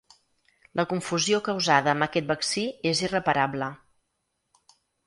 La confusió causada amb aquest vaccí és irreparable.